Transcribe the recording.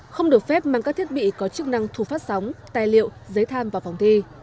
không được phép mang các thiết bị có chức năng thu phát sóng tài liệu giấy tham vào phòng thi